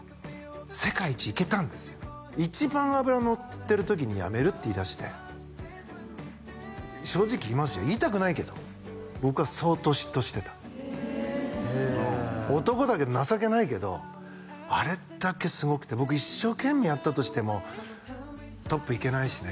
世界一行けたんですよ一番脂のってる時にやめるって言いだして正直言いますよ言いたくないけど僕は相当嫉妬してたへえ男だけど情けないけどあれだけすごくて僕一生懸命やったとしてもトップ行けないしね